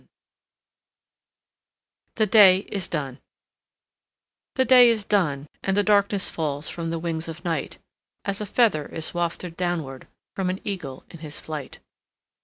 Y Z The Day is Done THE day is done, and the darkness Falls from the wings of Night, As a feather is wafted downward From an eagle in his flight.